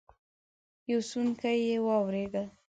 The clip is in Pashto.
يو سونګی يې واورېد.